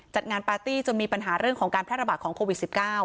จัดงานปาร์ตี้จนมีปัญหาเรื่องของการแพร่ระบาดของโควิด๑๙